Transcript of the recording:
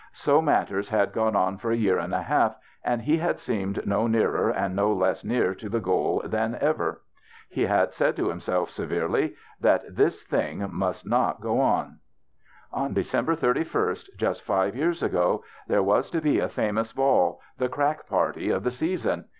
So matters had gone for a year and a half, and he had seemed no nearer and no less near to the goal than ever. He had said to himself severely that this thing must not go on. On December 31st, just five years ago, there was to be a famous ball, the crack party of the season.